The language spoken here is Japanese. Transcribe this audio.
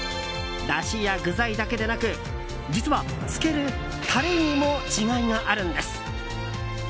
だしや具材だけでなく実は、つけるタレにも違いがあるんです。